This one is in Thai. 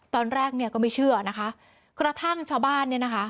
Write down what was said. ตอนแรกเนี่ยก็ไม่เชื่อนะคะกระทั่งชาวบ้านเนี่ยนะคะ